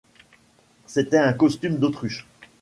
C’était un costume d’autruche.